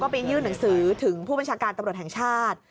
ไปยื่นหนังสือถึงผู้บัญชาการตำรวจแห่งชาติ